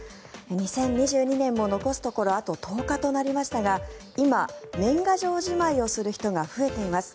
２０２２年も、残すところあと１０日となりましたが今、年賀状じまいをする人が増えています。